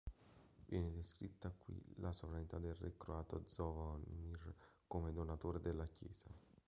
Viene descritta qui la sovranità del re croato Zvonimir come donatore della chiesa.